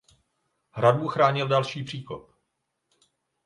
Hradbu chránil další příkop.